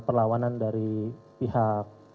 perlawanan dari pihak